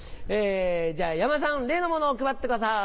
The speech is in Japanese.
じゃ山田さん例のものを配ってください。